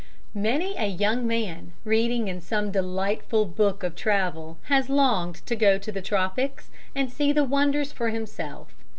_ Many a young man, reading in some delightful book of travel, has longed to go to the tropics and see the wonders for himself.